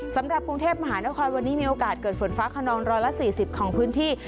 สำหรับกรุงเทพมหานครวันนี้มีโอกาสเกิดฝนฟ้าขนอง๑๔๐ของพื้นที่